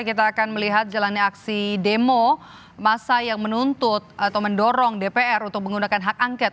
kita akan melihat jalannya aksi demo masa yang menuntut atau mendorong dpr untuk menggunakan hak angket